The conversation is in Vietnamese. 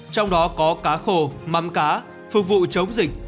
trong đó có cá khô mắm cá phục vụ chống dịch